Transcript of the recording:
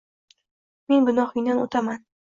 Men gunohingdan oʻtaman.